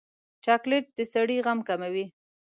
چاکلېټ د سړي غم کموي.